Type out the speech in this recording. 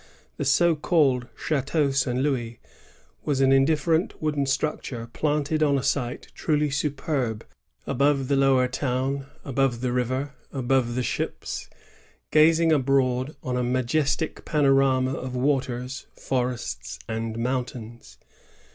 The so called Chateau St. Louis was an indifferent wooden struc ture planted on a site truly superb, — above the Lower Town, above the river, above the ships, gaz ing abroad on a majestic panorama of waters, forests, and mountains.